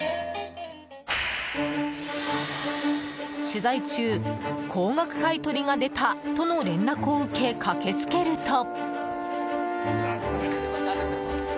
取材中、高額買い取りが出たとの連絡を受け、駆け付けると。